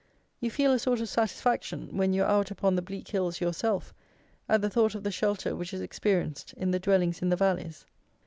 You feel a sort of satisfaction, when you are out upon the bleak hills yourself, at the thought of the shelter which is experienced in the dwellings in the valleys.